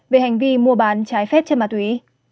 về hành vi mua bán trái phép chất ma túy